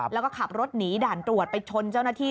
แล้วก็ขับรถหนีด่านตรวจไปชนเจ้าหน้าที่